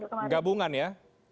oke oke gabungan ya